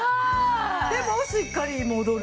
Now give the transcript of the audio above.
でもしっかり戻る。